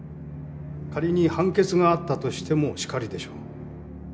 仮に判決があったとしてもしかりでしょう。